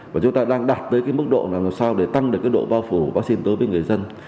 và chúng ta đang đạt tới cái mức độ làm sao để tăng được cái độ bao phủ vaccine tới với người dân